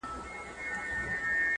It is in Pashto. o هو په همزولو کي له ټولو څخه پاس يمه.